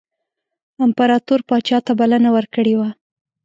امپراطور پاچا ته بلنه ورکړې وه.